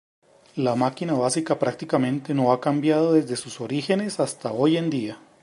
La máquina básica prácticamente no ha cambiado desde sus orígenes hasta hoy en día.